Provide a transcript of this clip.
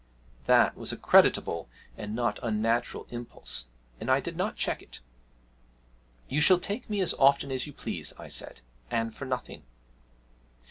That was a creditable and not unnatural impulse, and I did not check it. 'You shall take me as often as you please,' I said, 'and for nothing.'